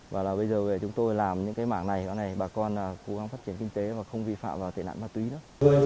và bây giờ chúng tôi làm những cái mảng này bà con cố gắng phát triển kinh tế và không vi phạm vào tệ nạn ma túy nữa